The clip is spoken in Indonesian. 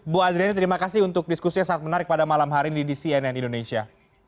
bu adriani terima kasih untuk diskusi yang sangat menarik pada malam hari ini di cnn indonesia